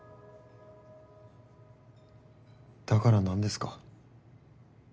だからなんですか？